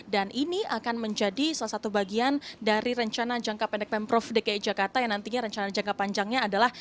dan ini akan menjadi salah satu bagian dari rencana jangka pendek pemprov dki jakarta yang nantinya rencana jangka panjangnya adalah